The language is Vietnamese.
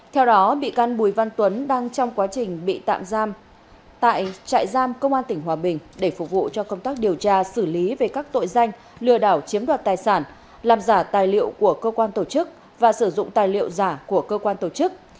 theo đó bị can bùi văn tuấn đang trong quá trình bị tạm giam tại trại giam công an tỉnh hòa bình để phục vụ cho công tác điều tra xử lý về các tội danh lừa đảo chiếm đoạt tài sản làm giả tài liệu của cơ quan tổ chức và sử dụng tài liệu giả của cơ quan tổ chức